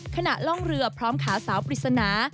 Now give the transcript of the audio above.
ขณะล่องเรือพร้อมขาสาวปริศนา